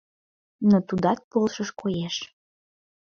Но тудат полшыш, коеш.